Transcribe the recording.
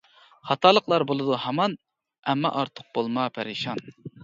خاتالىقلار بولىدۇ ھامان، ئەمما ئارتۇق بولما پەرىشان.